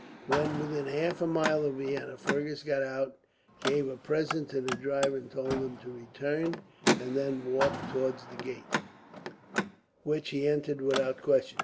When within half a mile of Vienna, Fergus got out, gave a present to the driver and told him to return, and then walked forward to the gate, which he entered without question.